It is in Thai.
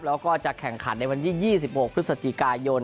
แล้วก็จะแข่งขันในวันที่๒๖พฤศจิกายน